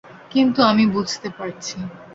কিন্তু আমি বুঝতে পারছি।